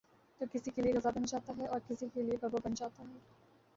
تو کسی کیلئے غذا بن جاتا ہے اور کسی کیلئے وباء بن جاتا ہے ۔